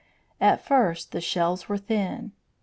At first the shells were thin.